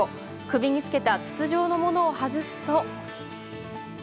首に着けた筒状のものを外すと。